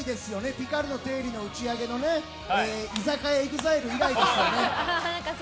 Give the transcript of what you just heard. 「ピカルの定理」の打ち上げの居酒屋ＥＸＩＬＥ以来ですね。